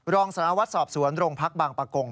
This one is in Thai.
รองสลาวัดสอบสวนรงพักบางปะกง